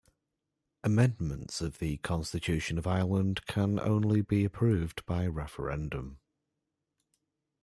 Amendments of the Constitution of Ireland can only be approved by referendum.